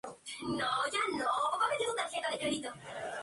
Atraviesa la barrera placentaria y actúa sobre el feto.